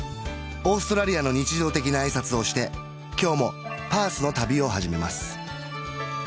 オーストラリアの日常的な挨拶をして今日もパースの旅をはじめます